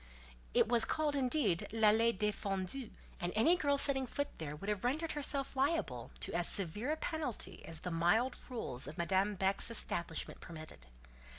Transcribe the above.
It was called indeed "l'allée défendue," and any girl setting foot there would have rendered herself liable to as severe a penalty as the mild rules of Madame Beck's establishment permitted.